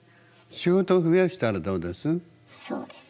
仕事増やしたらどうです？